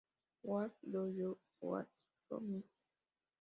What Do You Want from Me?